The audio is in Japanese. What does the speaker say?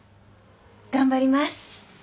頑張ります。